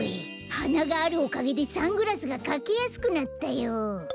はながあるおかげでサングラスがかけやすくなったよ。